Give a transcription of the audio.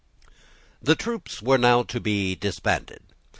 The troops were now to be disbanded.